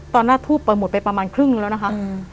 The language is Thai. หน้าทูบเปิดหมดไปประมาณครึ่งนึงแล้วนะคะ